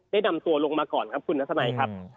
ได้นำตัวลงมาก่อนครับคุณทัศนัยครับ